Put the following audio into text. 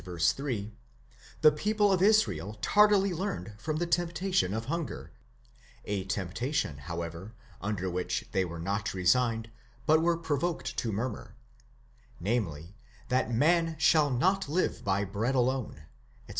3, the people of Israel tardily learned from the temptation of hunger (a temptation, however, under which they were not resigned, but were provoked to murmur): namely, that man shall not live by bread alone, etc.